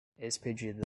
Expedida